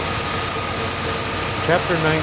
Chapter XIX.